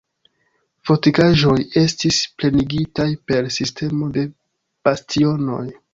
Fortikaĵoj estis plenigitaj per sistemo de bastionoj.